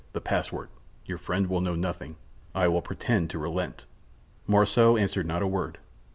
the password! Your friend will know nothing. I will pretend to relent." Morissot answered not a word.